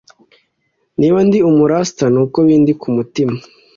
Niba ndi umu rasta nuko bindi kumutima